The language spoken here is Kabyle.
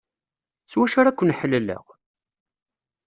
S wacu ara ken-ḥelleleɣ?